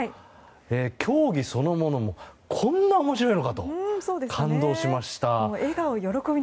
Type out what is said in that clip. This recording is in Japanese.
競技そのものもこんな面白いのかと感動しました。